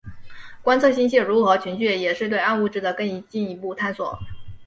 观测星系如何群聚也是对暗物质的更进一步探索。